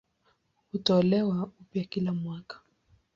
Hutolewa upya kila mwaka.